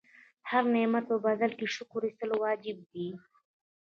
د هر نعمت په بدل کې شکر ایستل واجب دي.